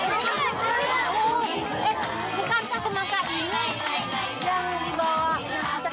eh bukan si mangka ini yang dibawa ke rumah kita